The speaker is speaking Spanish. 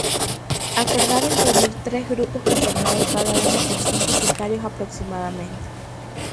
Acordaron reunir tres grupos conformado cada uno por cinco sicarios aproximadamente.